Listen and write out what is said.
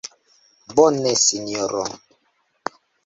Bone, Sinjoro.